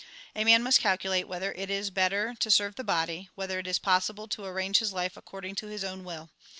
A man must calculate, whether it is better to serve the body, whether it is possible to arrange his life according to his own will.